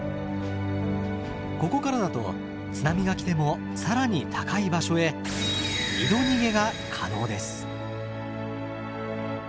ここからだと津波が来ても更に高い場所へ「二度逃げ」が可能です。